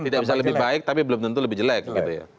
tidak bisa lebih baik tapi belum tentu lebih jelek gitu ya